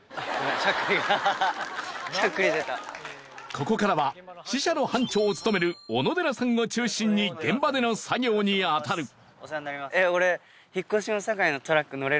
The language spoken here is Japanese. ここからは支社の班長を務める小野寺さんを中心に現場での作業に当たるあ。